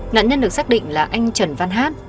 nạn nhân được xác định là anh trần văn hát